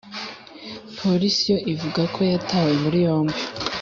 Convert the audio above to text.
polisi yo ivuga ko yatawe muri yombi